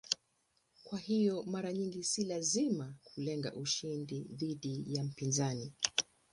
Kwa hiyo mara nyingi si lazima kulenga ushindi dhidi ya mpinzani.